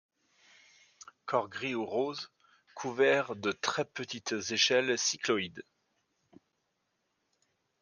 Corps gris ou rose, couvert de très petites échelles cycloïde.